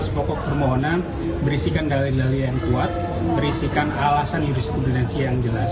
pokok permohonan berisikan dalil dalil yang kuat berisikan alasan jurisprudensi yang jelas